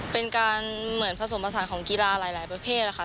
เป็นการเหมือนผสมผสานของกีฬาหลายประเภทค่ะ